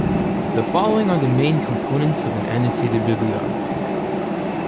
The following are the main components of an annotated bibliography.